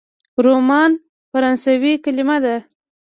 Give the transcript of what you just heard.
رومان فرانسوي کلمه ده.